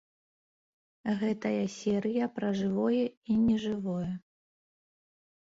Гэтая серыя пра жывое і нежывое.